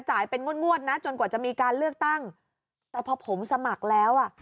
เป็นงวดงวดนะจนกว่าจะมีการเลือกตั้งแต่พอผมสมัครแล้วอ่ะ